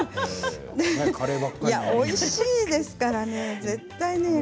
おいしいですからね絶対。